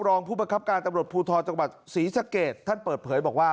รองผู้ประคับการตำรวจภูทรจังหวัดศรีสะเกดท่านเปิดเผยบอกว่า